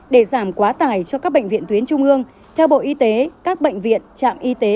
để giảm quá tải cho các bệnh viện tuyến trung ương theo bộ y tế các bệnh viện trạm y tế